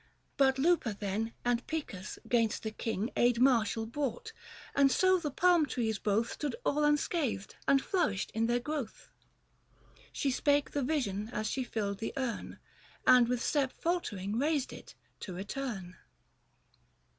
But Lupa, then, and Pic us 'gainst the King 40 Aid martial brought ; and so the Palm trees both Stood all unscathed, and flourished in their growth." She spoke the vision as she filled the urn, And with step faltering raised it, to return.